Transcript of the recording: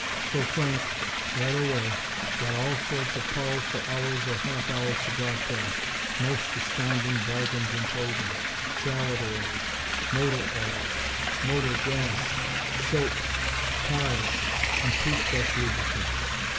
So Frank, right away, got all sorts of calls for hours or half hours to broadcast "most astounding bargains" in clothing, salad oils, motor oils, motor "gas", soaps, cars, and tooth brush lubricants.